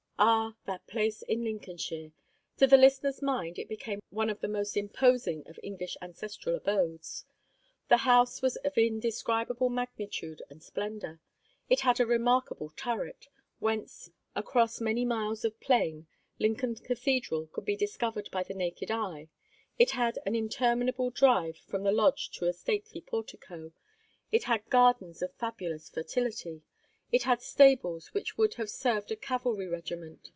Ah, that place in Lincolnshire! To the listener's mind it became one of the most imposing of English ancestral abodes. The house was of indescribable magnitude and splendour. It had a remarkable "turret," whence, across many miles of plain, Lincoln Cathedral could be discovered by the naked eye; it had an interminable drive from the lodge to the stately portico; it had gardens of fabulous fertility; it had stables which would have served a cavalry regiment.